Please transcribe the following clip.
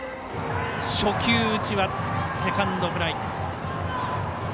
初球打ちはセカンドフライ。